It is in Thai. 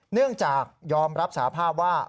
เนื่องจากยอมรับสาภาพว่า